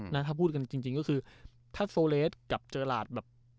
เนอะถ้าพูดกันจริงจริงก็คือถ้าแลสกับเจอร์หลาดแบบ